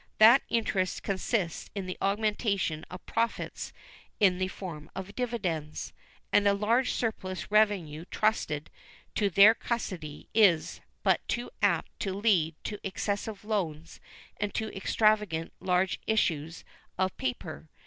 That interest consists in the augmentation of profits in the form of dividends, and a large surplus revenue intrusted to their custody is but too apt to lead to excessive loans and to extravagantly large issues of paper.